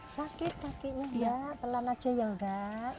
sakit kakinya mbak pelan aja ya mbak